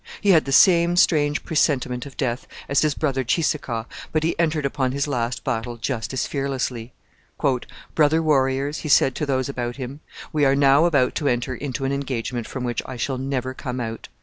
He had the same strange presentiment of death as his brother Cheeseekau, but he entered upon his last battle just as fearlessly. 'Brother warriors,' he said to those about him, 'we are now about to enter into an engagement from which I shall never come out.